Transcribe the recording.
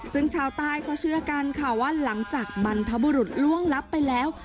ซึ่งชาวใต้เขาเชื่อกันค่ะว่าหลังจากบรรพบุรุษล่วงลับไปแล้ว